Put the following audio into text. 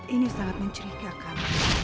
ini sangat menceritakan